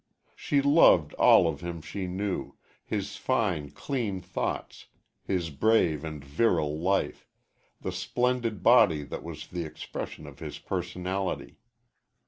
She loved all of him she knew his fine, clean thoughts, his brave and virile life, the splendid body that was the expression of his personality.